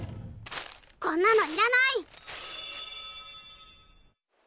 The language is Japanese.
こんなのいらない！